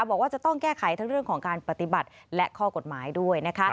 บอกว่าจะต้องแก้ไขทั้งเรื่องของการปฏิบัติและข้อกฎหมายด้วยนะคะ